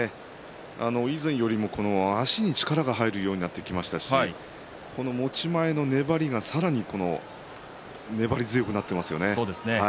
以前よりも足に力が入るようになってきましたし持ち前の粘りが、さらに粘り強くなっていますよね。